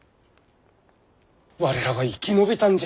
我らは生き延びたんじゃ。